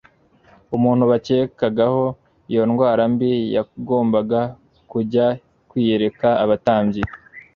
Umuntu bakekagaho iyo ndwara mbi yagombaga kujya kwiyereka abatambyi,